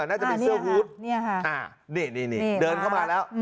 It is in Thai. น่าจะเป็นเสื้อนี่นี่นี่นี่เดินเข้ามาแล้ว